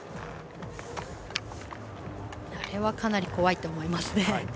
あれはかなり怖いと思いますね。